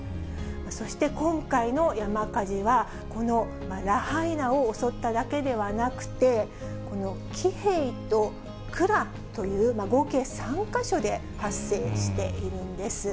そして今回の山火事は、このラハイナを襲っただけではなくて、このキヘイとクラという合計３か所で発生しているんです。